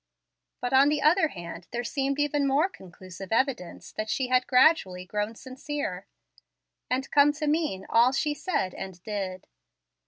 But on the other hand there seemed even more conclusive evidence that she had gradually grown sincere, and come to mean all she said and did.